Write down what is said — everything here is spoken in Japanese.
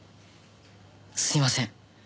すいません。